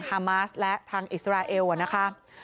ฮามาสและทางอิสราเอลนะคะ